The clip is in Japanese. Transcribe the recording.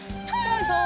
よいしょ！